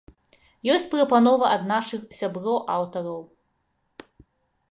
Ёсць прапановы ад нашых сяброў-аўтараў.